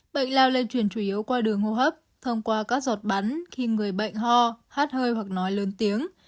bệnh lao lây truyền chủ yếu qua đường hô hấp thông qua các giọt bắn khi người bệnh ho hát hơi hoặc nói lớn tiếng